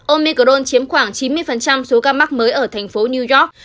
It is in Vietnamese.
omicron chiếm khoảng chín mươi số ca mắc mới ở thành phố new york